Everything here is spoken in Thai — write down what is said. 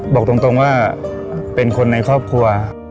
บอกตรงว่าเป็นคนในครอบครัว